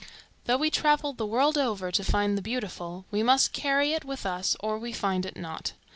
Though we travel the world over to find the beautiful, we must carry it with us, or we find it not.